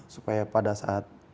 supaya pada saat